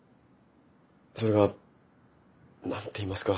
それが何て言いますか。